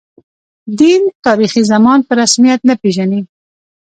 دین، تاریخي زمان په رسمیت نه پېژني.